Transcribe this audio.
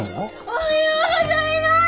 おはようございます！